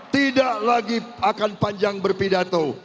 tidak lagi akan panjang berpidato